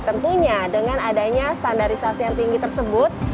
tentunya dengan adanya standarisasi yang tinggi tersebut